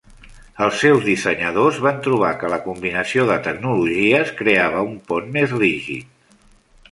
Els seus dissenyadors van trobar que la combinació de tecnologies creava un pont més rígid.